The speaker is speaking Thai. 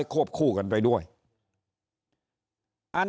ถ้าท่านผู้ชมติดตามข่าวสาร